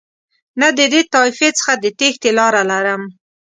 نه د دې طایفې څخه د تېښتې لاره لرم.